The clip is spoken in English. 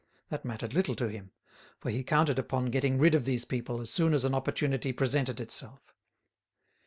That mattered little to him, for he counted upon getting rid of these people as soon as an opportunity presented itself.